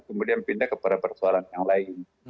kemudian pindah kepada persoalan yang lain